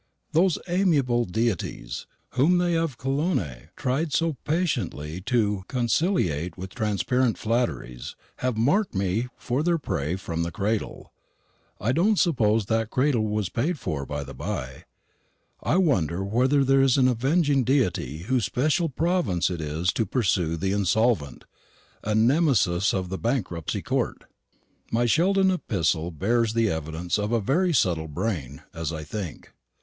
Those "amiable" deities, whom they of Colonae tried so patiently to conciliate with transparent flatteries, have marked me for their prey from the cradle I don't suppose that cradle was paid for, by the bye. I wonder whether there is an avenging deity whose special province it is to pursue the insolvent a Nemesis of the Bankruptcy Court. My Sheldon's epistle bears the evidence of a very subtle brain, as I think.